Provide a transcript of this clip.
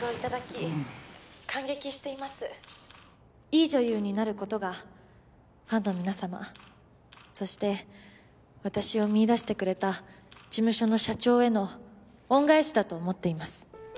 いい女優になる事がファンの皆様そして私を見いだしてくれた事務所の社長への恩返しだと思っています。